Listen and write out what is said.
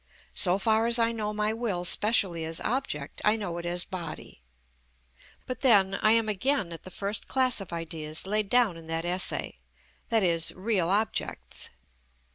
So far as I know my will specially as object, I know it as body. But then I am again at the first class of ideas laid down in that essay, i.e., real objects.